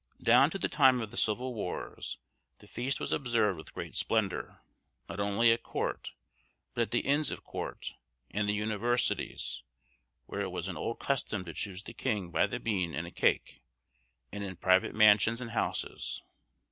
Down to the time of the civil wars, the feast was observed with great splendour, not only at court, but at the Inns of Court, and the universities (where it was an old custom to choose the king by the bean in a cake), and in private mansions and houses.